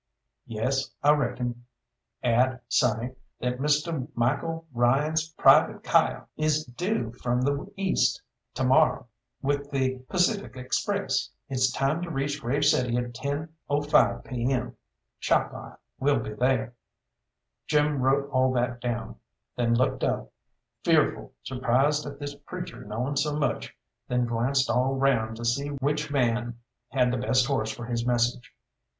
"Yes, I reckon. Add, sonny, that Misteh Michael Ryan's private cyar is due from the east to morrow, with the Pacific Express. It's timed to reach Grave City at 10:05 p.m. Chalkeye will be thar." Jim wrote all that down, then looked up, fearful, surprised at this preacher knowing so much, then glanced all round to see which man had the best horse for his message.